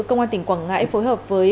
công an tỉnh quảng ngãi phối hợp với